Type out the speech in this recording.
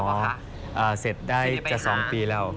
กำลังเตรียมเสร็จได้จะสองปีแล้ว